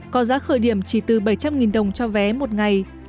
có giá khởi điểm chỉ từ bảy trăm linh đồng cho vé một ngày